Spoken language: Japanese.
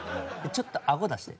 ちょっとあご出して。